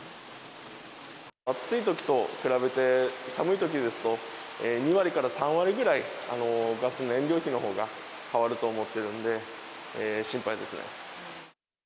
暑いときと比べて、寒いときですと、２割から３割ぐらい、ガス燃料費のほうが変わると思ってるんで、心配ですね。